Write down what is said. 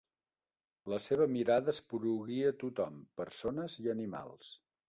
La seva mirada esporuguia tothom, persones i animals.